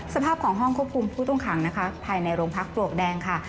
สภาพของห้องควบคุมผู้ต้องขังนะคะภายในโรงพักปลวกแดงค่ะ